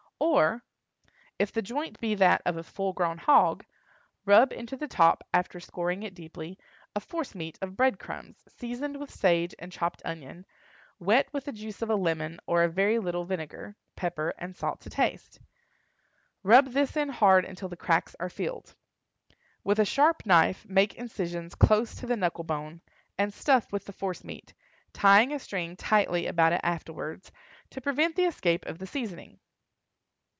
Or, If the joint be that of a full grown hog, rub into the top, after scoring it deeply, a force meat of bread crumbs seasoned with sage and chopped onion, wet with the juice of a lemon or a very little vinegar; pepper and salt to taste. Rub this in hard until the cracks are filled. With a sharp knife make incisions close to the knuckle bone, and stuff with the force meat, tying a string tightly about it afterward, to prevent the escape of the seasoning.